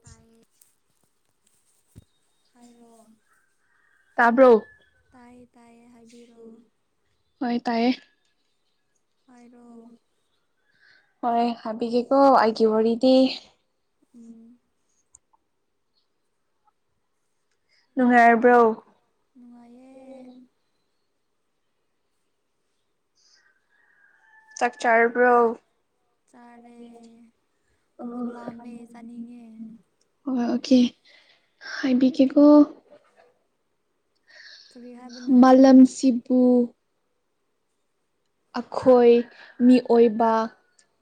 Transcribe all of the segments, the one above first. Tight Cairo ꯇꯥꯏ ꯇꯥꯏ ꯍꯥꯏꯕꯤꯔꯛꯑꯣ ꯑꯣꯏ ꯇꯥꯏꯌꯦ ꯄꯥꯏꯔꯣ ꯍꯣꯏ ꯍꯥꯏꯕꯤꯒꯦꯀꯣ ꯑꯩꯒꯤ ꯋꯥꯔꯤꯗꯤ ꯎꯝ ꯅꯨꯡꯉꯥꯏꯔꯕ꯭ꯔꯣ ꯆꯥꯛ ꯆꯥꯔꯔꯕ꯭ꯔꯣ ꯑꯣ ꯍꯣꯏ ꯑꯣꯀꯦ ꯍꯥꯏꯕꯤꯒꯦꯀꯣ ꯃꯂꯝꯁꯤꯕꯨ ꯑꯩꯈꯣꯏ ꯃꯤꯑꯣꯏꯕ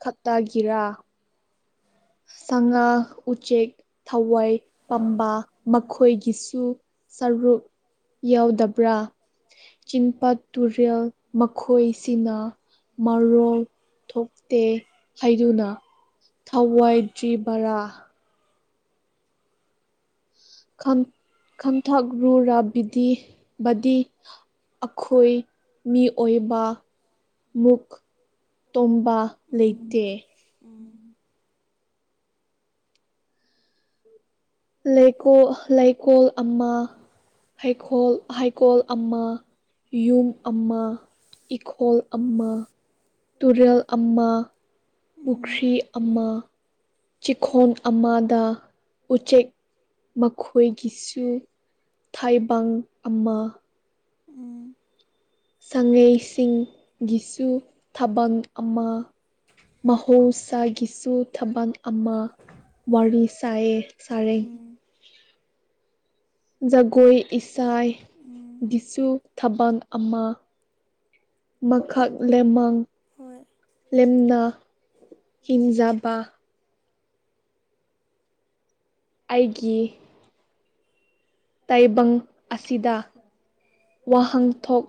ꯈꯛꯇꯒꯤꯔꯥ ꯁꯥꯉꯥ ꯎꯆꯦꯛ ꯊꯋꯥꯏ ꯄꯝꯕ ꯃꯈꯣꯏꯒꯤꯁꯨ ꯁꯔꯔꯨꯛ ꯌꯥꯎꯗꯕ꯭ꯔꯥ ꯆꯤꯡ ꯄꯥꯠ ꯇꯨꯔꯦꯜ ꯃꯈꯣꯏꯁꯤꯅ ꯃꯔꯣ ꯊꯣꯛꯇꯦ ꯍꯥꯏꯗꯨꯅ ꯍꯋꯥꯏꯗ꯭ꯔꯤ ꯔꯥ ꯈ ꯈꯝꯊ ꯔꯨ ꯔꯥꯕꯤꯗꯤꯗꯤ ꯑꯩꯈꯣꯏ ꯃꯤꯑꯣ ꯑꯣꯏꯕ ꯃꯨꯛ ꯇꯣꯝꯕ ꯂꯩꯇꯦ ꯂꯩꯀꯣꯜ ꯂꯩꯀꯣꯜ ꯑꯝꯃ ꯍꯩꯀꯣꯜ ꯍꯩꯀꯣꯜ ꯑꯃ ꯌꯨꯝ ꯑꯃ ꯏꯈꯣꯜ ꯑꯃ ꯇꯨꯔꯦꯜ ꯑꯃ ꯄꯨꯈ꯭ꯔꯤ ꯑꯃ ꯆꯤꯈꯣꯟ ꯑꯃꯗ ꯎꯆꯦꯛ ꯃꯈꯣꯏꯒꯤꯁꯨ ꯊꯥꯏꯕ ꯑꯃ ꯎꯝ ꯁꯉꯩꯁꯤꯡꯒꯤꯁꯨ ꯊꯕꯛ ꯑꯃ ꯃꯍꯧꯁꯥꯒꯤꯁꯨ ꯊꯕꯛ ꯑꯃ ꯋꯥꯔꯤ ꯁꯥꯏꯌꯦ ꯆꯔꯦ ꯖꯒꯣꯏ ꯏꯁꯩꯥꯏ ꯗꯤꯁꯨ ꯊꯕꯜ ꯑꯃ ꯃꯈꯛ ꯂꯃꯥꯡ ꯂꯦꯝꯅ ꯍꯤꯡꯖꯕ ꯑꯩꯒꯤ ꯇꯥꯏꯕꯪ ꯑꯁꯤꯗꯥ ꯋꯥꯍꯪꯊꯣꯛ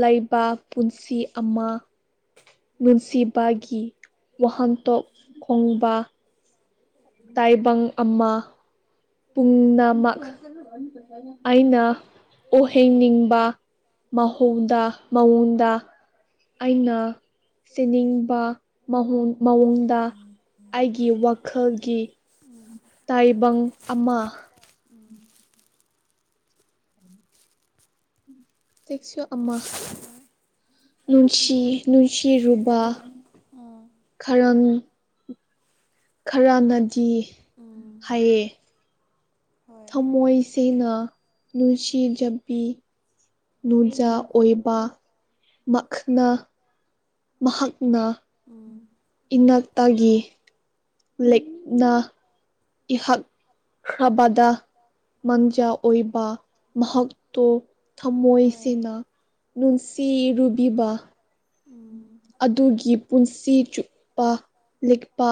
ꯂꯩꯕ ꯄꯨꯟꯁꯤ ꯑꯃ ꯇꯥꯏꯕꯪ ꯑꯝꯃ ꯄꯨꯝꯅꯃꯛ ꯑꯩꯅ ꯎꯍꯩꯅꯤꯡꯕ ꯃꯍꯗ ꯃꯎꯟꯗ ꯑꯩꯅ ꯁꯤꯅꯤꯡꯕ ꯃꯑꯣꯡꯗ ꯑꯩꯒꯤ ꯋꯥꯈꯜꯒꯤ ꯇꯥꯏꯕꯪ ꯑꯃꯥ ꯆꯦꯛꯁꯨ ꯑꯃꯥ ꯅꯨꯡꯁꯤ ꯅꯨꯡꯁꯤꯔꯨꯕ ꯈꯔꯪ ꯈꯔꯅꯗꯤ ꯍꯥꯏꯌꯦ ꯊꯝꯃꯣꯏ ꯁꯦꯡꯅ ꯅꯨꯡꯁꯤꯖꯕꯤ ꯅꯨꯡꯖꯥ ꯑꯣꯏꯕ ꯃꯍꯥꯛꯅ ꯃꯍꯥꯛ ꯅ ꯏꯅꯛꯇꯒꯤ ꯂꯤꯛꯅ ꯏꯍꯥꯛ ꯍꯕꯗꯥ ꯃꯥꯡꯖ ꯑꯣꯏꯕ ꯃꯍꯥꯛꯇꯨ ꯊꯃꯣꯏꯁꯤꯅ ꯅꯨꯡꯁꯤꯔꯨꯕꯤꯕ ꯑꯗꯨꯒꯤ ꯄꯨꯟꯁꯤ ꯆꯨꯞꯄ ꯂꯤꯛꯄ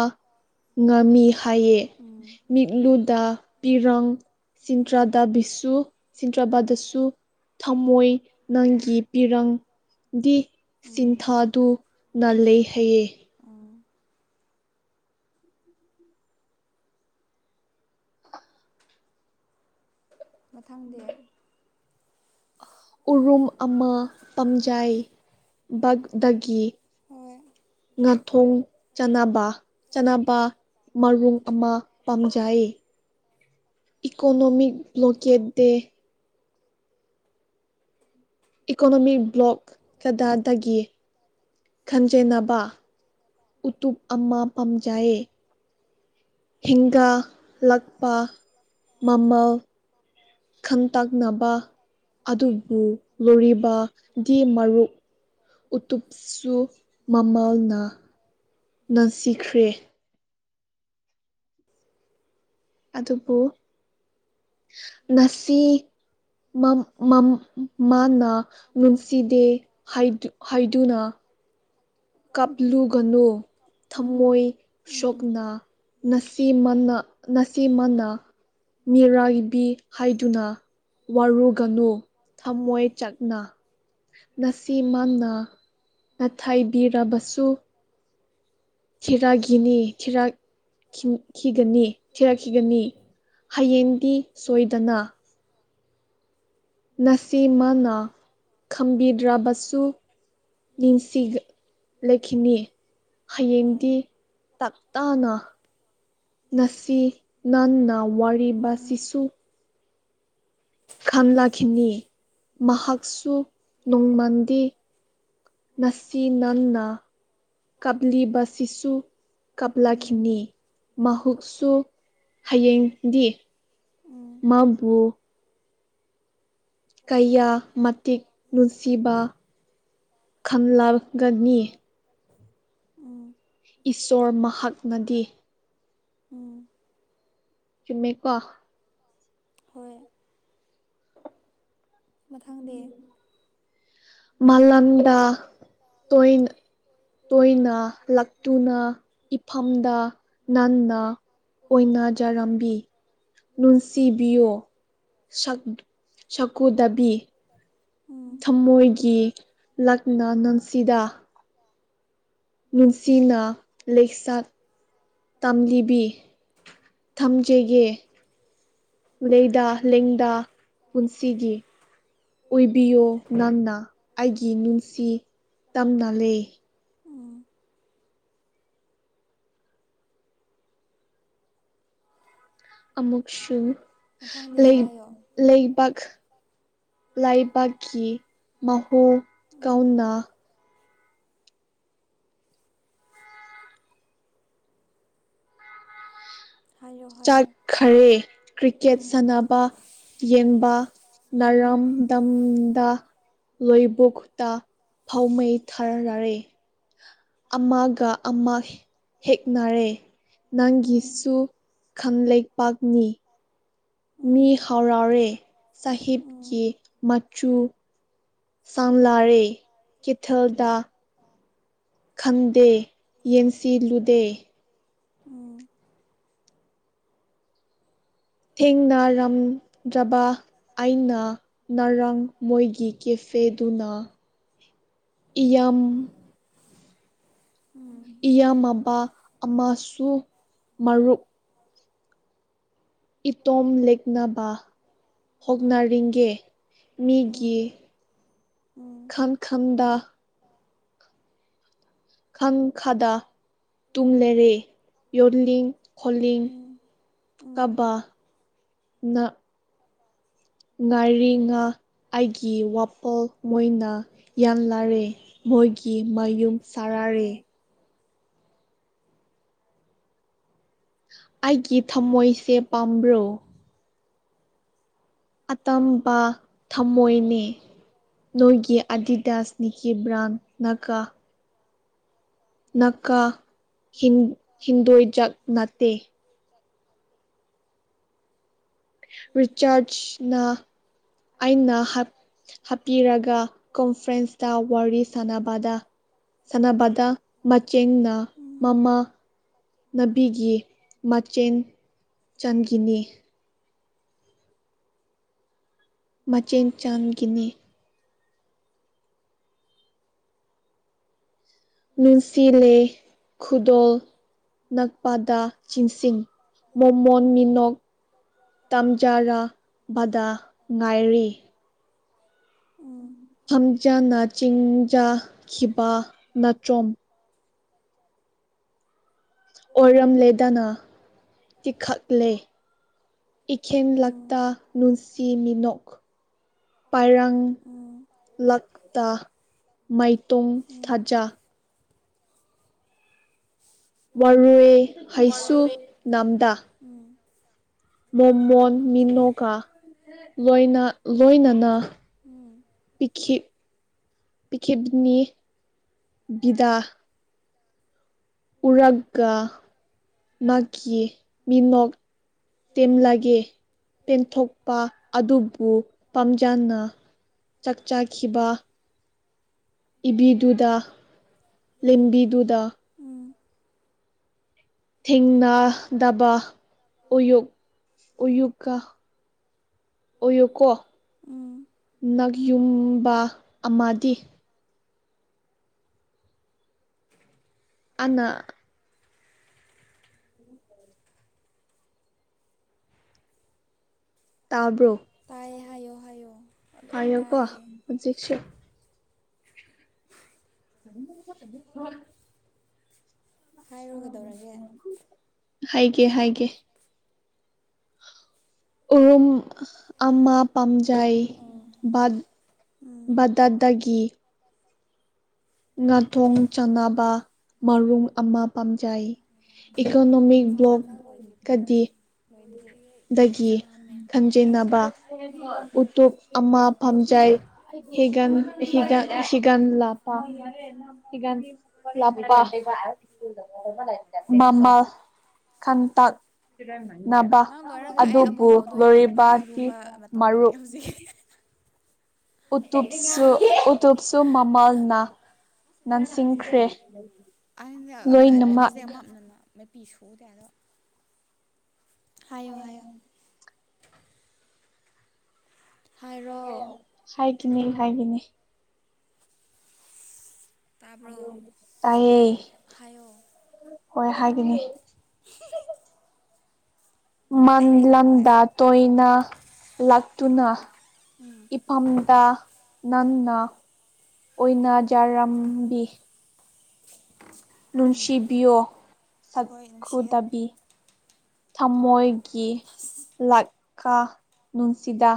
ꯉꯝꯃꯤ ꯍꯥꯏꯌꯦ ꯃꯤꯠꯂꯨꯗ ꯄꯤꯔꯪ ꯁꯤꯟꯇ꯭ꯔꯥ ꯗꯥꯕꯤꯁꯨ ꯁꯤꯟꯇ꯭ꯔꯥꯕꯥꯗꯁꯨ ꯊꯝꯃꯣꯏ ꯅꯪꯒꯤ ꯄꯤꯔꯪ ꯗꯤ ꯑꯗꯨꯗꯨꯅ ꯂꯩ ꯍꯩꯌꯦ ꯃꯊꯪꯗꯤ ꯎꯔꯨꯝ ꯑꯃ ꯄꯝꯖꯥꯏ ꯕꯒꯤ ꯉꯥꯊꯣꯡ ꯆꯅꯕ ꯆꯅꯕ ꯃꯔꯨꯝ ꯑꯃ ꯄꯥꯖꯩ ꯏꯀꯣꯅꯣꯃꯤꯛ ꯕ꯭ꯂꯣꯀꯦꯠ ꯗꯦ ꯏꯀꯣꯅꯣꯃꯤ ꯕ꯭ꯂꯣꯛ ꯀꯗꯥꯗꯒꯤ ꯈꯟꯖꯦꯅꯕ ꯎꯇꯨꯞ ꯑꯃ ꯄꯥꯝꯖꯥꯏꯌꯦ ꯍꯤꯡꯒꯥ ꯂꯥꯛꯄ ꯃꯃꯜ ꯈꯪꯇꯥꯛ ꯅꯕ ꯑꯗꯨꯕꯨ ꯂꯣꯔꯤꯕ ꯗꯤ ꯃꯔꯨꯞ ꯎꯇ ꯁꯨ ꯃꯃꯜꯅ ꯅꯟꯁꯤꯈ꯭ꯔꯦ ꯑꯗꯨꯕꯨ ꯉꯁꯤ ꯃꯥꯅ ꯅꯨꯡꯁꯤꯗꯦ ꯍꯥꯏꯗꯨꯅ ꯀꯞꯂꯨꯒꯅꯨ ꯊꯝꯃꯣꯏ ꯁꯣꯛꯅꯁꯤ ꯅꯁꯤꯃꯅꯥ ꯃꯤꯔꯥꯒꯤꯕꯤ ꯍꯥꯏꯗꯨꯅ ꯋꯥꯔꯨꯒꯅꯨ ꯊꯝꯃꯣꯏ ꯆꯠꯅ ꯉꯁꯤ ꯃꯥꯅ ꯅꯊꯥꯏꯕꯤꯔꯕꯁꯨ ꯆꯦꯔꯥꯒꯤꯅꯤ ꯆꯔꯥꯛ ꯈꯤꯈꯤꯒꯅꯤ ꯊꯤꯔꯛꯈꯤꯒꯅꯤ ꯍꯌꯦꯡꯗꯤ ꯁꯣꯏꯗꯅ ꯉꯁꯤꯃꯅ ꯈꯝꯕꯤꯗ꯭ꯔꯕꯁꯨ ꯟꯁꯤ ꯂꯛꯈꯃꯤ ꯍꯌꯦꯡꯗꯤ꯫ ꯇꯥꯛꯇꯥꯅ ꯉꯁꯤ ꯅꯪꯟꯅ ꯋꯥꯔꯤꯕꯁꯤꯁꯨ ꯈꯂꯛꯈꯤꯅꯤ ꯃꯍꯥꯛꯁꯨ ꯅꯣꯡꯃꯥꯟꯗꯤꯦ ꯅꯁꯤ ꯅꯟꯅ ꯀꯞꯂꯤ ꯕꯥꯁꯤꯁꯨ ꯀꯞꯂꯥꯈꯤꯅꯤ ꯃꯍꯛꯁꯨ ꯍꯌꯦꯡꯗꯤ ꯃꯥꯕꯨ ꯀꯌꯥ ꯃꯇꯤꯛ ꯅꯨꯡꯁꯤꯕ ꯈꯝꯂꯒꯅꯤ ꯎꯝ ꯆꯃꯦꯀꯥ ꯍꯣꯏ ꯃꯊꯪꯗꯤ ꯃꯂꯥꯟꯗꯥ ꯇꯣꯏꯟ ꯇꯣꯏꯅ ꯂꯛꯇꯨꯅ ꯏꯐꯝꯗ ꯅꯟꯅ ꯑꯣꯏꯅꯥꯖꯥꯔꯥꯝꯕꯤ ꯟꯁꯤꯕꯤꯌꯣ ꯁꯀꯨꯗꯥꯕꯤ ꯊꯃꯣꯏꯒꯤ ꯂꯛꯅ ꯅꯪꯁꯤꯗꯥ ꯅꯨꯡꯟꯁꯤꯅ ꯂꯩꯁꯥꯠ ꯇꯝꯂꯤꯕꯤ ꯊꯝꯖꯒꯦ ꯂꯩꯗꯥ ꯂꯦꯡꯗꯥ ꯄꯨꯟꯁꯤꯒꯤ ꯑꯣꯏꯕꯤꯌꯣ ꯅꯟꯅ ꯑꯩꯒꯤ ꯟꯁꯤ ꯇꯝꯅꯂꯦ ꯑꯃꯨꯛꯁꯨ ꯂꯩ ꯂꯩꯕꯥꯛ ꯂꯩꯕꯥꯛꯀꯤ ꯃꯍꯣꯡ ꯀꯧꯅꯥ ꯆꯠꯈꯔꯦ ꯀ꯭ꯔꯤꯀꯦꯠ ꯁꯥꯟꯅꯕ ꯌꯦꯟꯕ ꯅꯥꯔꯝꯗꯝꯗ ꯂꯣꯏꯕꯨꯣꯛ ꯇ ꯐꯥꯎꯃꯩ ꯊꯥꯔꯔꯦ ꯑꯃꯒ ꯑꯃ ꯍꯦꯛꯅꯔꯦ ꯅꯪꯒꯤꯁꯨ ꯀꯪꯂꯩꯄꯥꯛꯅꯤ ꯃꯤ ꯍꯥꯎꯔꯥꯎꯔꯦ ꯁꯥꯍꯤꯕꯀꯤ ꯃꯆꯨ ꯁꯂꯥꯔꯦ ꯀꯩꯊꯦꯜꯗ ꯈꯪꯗꯦ ꯌꯦꯡꯁꯤꯜꯂꯨꯗꯦ ꯑꯣ ꯊꯦꯡꯅꯔꯝꯗ꯭ꯔꯕ ꯑꯩꯅ ꯉꯔꯥꯡ ꯃꯣꯏꯒꯤ ꯀꯦꯐꯦꯗꯨꯅ ꯏ ꯏꯌꯥꯝꯃꯕ ꯑꯃꯁꯨ ꯃꯔꯨꯞ ꯏꯇꯣꯝ ꯂꯦꯛꯅꯕ ꯍꯣꯡꯅꯔꯤꯒꯦ ꯃꯤꯒꯤ ꯈꯝ ꯈꯝꯗꯥ ꯈꯪ ꯈꯗ ꯇꯨꯝꯂꯔꯦ ꯌꯣꯜꯂꯤꯡ ꯈꯣꯂꯤ ꯀꯕꯥ ꯅ ꯉꯔꯤꯔꯤꯉ ꯑꯩꯒꯤ ꯋꯥꯄꯣꯜ ꯃꯣꯏꯅ ꯌꯥꯟꯂꯥꯔꯦ ꯃꯣꯏꯒꯤ ꯃꯌꯨꯝ ꯆꯔꯔꯦ ꯑꯩꯒꯤ ꯊꯝꯃꯣꯏꯁꯦ ꯄꯥꯝꯕ꯭ꯔꯣ ꯑꯇꯝꯕ ꯊꯝꯃꯣꯏꯅꯤ ꯅꯣꯏꯒꯤ ꯑꯗꯤꯗꯥꯁꯅꯤꯀꯤ ꯕ꯭ꯔꯥꯟ ꯅꯀꯥ ꯅꯀꯥ ꯍꯤꯟꯗꯣꯏꯖꯛ ꯅꯠꯇꯦ ꯔꯤꯆꯥꯔꯖꯅ ꯑꯩꯅ ꯍꯥꯞꯄꯤꯔꯒ ꯀꯣꯟꯐ꯭ꯔꯦꯟꯁꯇ ꯋꯥꯔꯤ ꯁꯥꯟꯅꯕꯗ ꯁꯥꯟꯅꯕꯗ ꯃꯆꯦꯡꯅ ꯃꯃꯥ ꯅꯥꯕꯤꯒꯤ ꯃꯆꯦꯟ ꯆꯥꯟꯒꯤꯅꯤ ꯃꯆꯦꯟ ꯆꯥꯡꯒꯤꯅꯤ ꯨꯟꯁꯤꯂꯦ ꯈꯨꯗꯣꯜ ꯅꯛꯄꯥꯗꯥ ꯆꯤꯡꯁꯤꯡ ꯃꯣꯃꯣꯟ ꯃꯤꯅꯣꯛ ꯇꯝꯖꯥꯔꯥ ꯕꯗꯥ ꯉꯥꯏꯔꯤ ꯐꯝꯖꯅ ꯆꯤꯡꯖꯈꯤꯕ ꯅꯅꯥꯆꯣꯝ ꯑꯣꯏꯔꯝꯂꯦꯗꯅ ꯇꯤꯈꯛꯂꯦ ꯏꯈꯦꯟ ꯂꯥꯛꯛꯇ ꯟꯁꯤ ꯃꯤꯅꯣꯛ ꯄꯔꯪ ꯂꯛꯇ ꯃꯩꯇꯣꯨꯝ ꯊꯖ ꯋꯥꯔꯨꯋꯦ ꯍꯩꯁꯨ ꯅꯥꯝꯗꯥ ꯃꯣꯃꯣꯟ ꯃꯤꯅꯣꯀꯥ ꯂꯣꯏꯅ ꯂꯣꯏꯅꯅ ꯄꯤꯈꯤ ꯄꯤꯈꯦꯕꯤꯅꯤ ꯕꯤꯗꯥꯥ ꯎꯔꯒꯥ ꯃꯥꯀꯤꯀꯤ ꯃꯤꯅꯣꯛ ꯇꯦꯝꯂꯒꯦ ꯇꯦꯟꯊꯣꯛꯄ ꯑꯗꯨꯕꯨ ꯄꯥꯝꯖꯅ ꯆꯥꯛ ꯆꯥꯈꯤꯕ ꯏꯕꯤꯗꯨꯗ ꯂꯦꯝꯕꯤꯗꯨꯗ ꯊꯦꯡꯅ ꯗꯕ ꯎꯌꯨꯛ ꯎꯌꯨꯛꯀ ꯑꯣꯏꯌꯨꯀꯣ ꯅꯛ ꯌꯨꯝꯕ ꯑꯃꯗꯤ ꯑꯅꯥ ꯇꯥꯕ꯭ꯔꯣ ꯍꯥꯏꯀꯣ ꯍꯧꯖꯤꯦꯛꯁ ꯆ ꯑ ꯍꯥꯏꯒꯦ ꯍꯥꯏꯒꯦ ꯎꯔꯨꯝ ꯑꯃ ꯄꯝꯖꯥꯏ ꯗꯥꯗꯥꯒ ꯉꯥꯊꯣꯡ ꯆꯅꯕ ꯃꯔꯨꯝ ꯑꯃ ꯄꯥꯝꯖꯩ ꯏꯀꯣꯅꯣꯃꯤꯛ ꯕ꯭ꯂꯣꯛꯀꯗꯤ ꯗꯒꯤ ꯈꯟꯖꯤꯟꯅꯕ ꯎꯇꯞ ꯑꯃ ꯐꯝꯖ ꯍꯒꯥꯟꯒ ꯍꯒꯥꯟ ꯂꯥꯚ ꯃ ꯈꯟꯇ ꯅꯪ ꯂꯣꯏꯔꯒ ꯑꯩ ꯑꯃꯨꯛ ꯇꯧꯗꯣꯏꯅꯦ ꯅꯪ ꯏꯔꯨꯕ ꯃꯇꯝ ꯂꯩꯇꯦ ꯍꯧꯖꯤꯛ ꯎꯇꯞꯁꯨ ꯎꯇꯞꯁꯨ ꯃꯃꯜꯅ ꯅꯟꯁꯤꯡꯈ꯭ꯔꯦ ꯑꯁ ꯃꯤꯁꯦ ꯃꯞꯅꯅ ꯃꯦꯄꯤ ꯁꯨꯗꯦ ꯑꯗꯣ ꯍꯥꯏꯌꯣ ꯍꯥꯏꯑꯣ ꯍꯥꯏꯥꯏ ꯀꯅꯤ ꯍꯥꯏꯒꯅꯤ ꯇꯥꯏꯑꯌꯦ ꯍꯣꯏ ꯍꯥꯏꯒꯅꯤ [unintelligible] ꯃꯟ ꯂꯗꯥ ꯇꯣꯏꯅ ꯂꯥꯛꯇꯨꯅ ꯏꯄꯥꯝꯗ ꯅꯟ ꯑꯣꯏꯅꯅꯥꯖꯥꯔꯝꯕꯤ ꯅꯨꯡꯁꯤꯕꯤꯌꯣ ꯁꯛꯈꯨꯗꯕꯤ ꯊꯃꯣꯏꯒꯤ ꯂꯥꯛꯀ ꯅꯨꯡꯟꯁꯤꯗ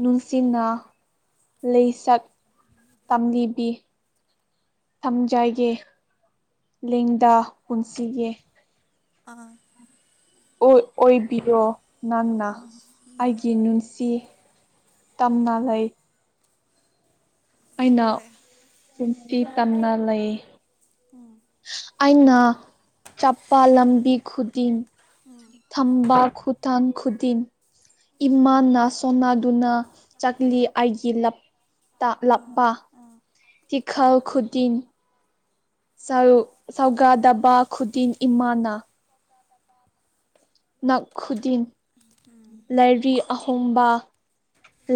ꯅꯨꯡꯁꯤꯅ ꯂꯩꯆꯛ ꯇꯝꯂꯤꯕꯤ ꯊꯝꯖꯥꯏꯒꯦ ꯂꯤꯡꯗ ꯄꯨꯟꯁꯤꯒꯦ ꯑꯥ ꯑꯣꯏꯕꯤꯔꯣ ꯅꯪꯅ ꯑꯩꯒꯤ ꯟꯁꯤ ꯇꯝꯅ ꯂꯩ ꯍꯣꯏ ꯁꯨꯝꯇꯤ ꯇꯝꯅ ꯂꯩ ꯑꯩꯅ ꯆꯄꯥ ꯂꯝꯕꯤ ꯈꯨꯗꯤꯡ ꯊꯝꯕꯥ ꯈꯨꯨꯇꯥꯡ ꯈꯨꯗꯤꯟ ꯏꯃꯥꯅ ꯁꯣꯟꯅꯗꯨꯅ ꯆꯥꯛꯂꯤ ꯑꯩꯒꯤ ꯂꯞ ꯇꯥꯛꯂꯞꯄ ꯇꯤꯈꯜ ꯈꯨꯗꯤꯟ ꯁ ꯁꯧꯒꯥ ꯗꯕꯥ ꯈꯨꯗꯤꯟ ꯏꯃꯥꯅ ꯅꯥꯛ ꯈꯨꯗꯤꯟ ꯂꯥꯏꯔꯤ ꯑꯍꯣꯡꯕ